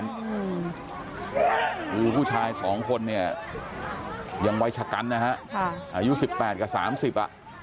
คือผู้ชายสองคนเนี่ยยังวัยชะกันนะฮะค่ะอายุสิบแปดกับสามสิบอ่ะ